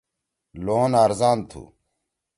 لون آرزان تُھو۔